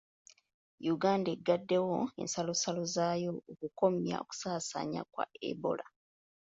Uganda egaddewo ensalo zaayo okukomya okusaasaana kwa Ebola.